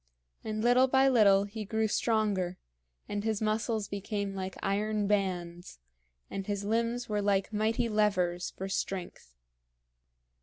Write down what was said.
And little by little he grew stronger, and his muscles became like iron bands, and his limbs were like mighty levers for strength.